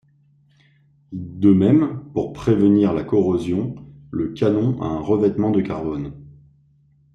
De même, pour prévenir la corrosion, le canon a un revêtement de carbone.